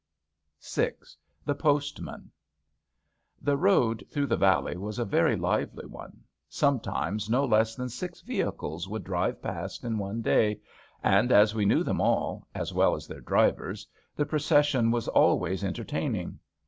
27 VI THE POSTMAN The road through the Valley was a very lively one. Sometimes no less than six vehicles would drive past in one day, and as we knew them all, as well as their drivers, the procession was always entertain ing.